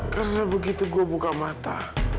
karena begitu gua buka mata